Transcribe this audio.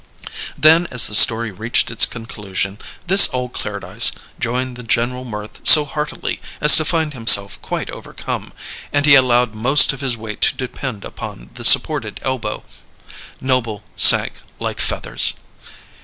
Then, as the story reached its conclusion, this old Clairdyce joined the general mirth so heartily as to find himself quite overcome, and he allowed most of his weight to depend upon the supported elbow. Noble sank like feathers.